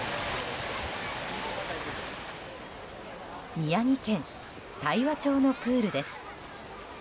宮城県大和町のプールです。